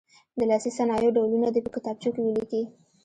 د لاسي صنایعو ډولونه دې په کتابچو کې ولیکي.